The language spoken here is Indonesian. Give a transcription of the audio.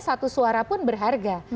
satu suara pun berharga